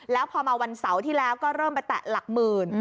แล้วพอมาวันเสาร์ที่แล้วก็เริ่มไปแตะหลักหมื่น